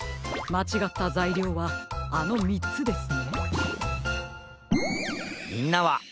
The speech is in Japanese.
まちがったざいりょうはこちらです。